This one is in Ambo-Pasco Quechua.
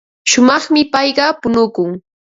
Shumaqmi payqa punukun.